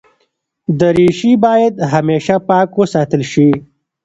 دریشي باید همېشه پاک وساتل شي.